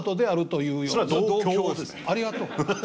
ありがとう。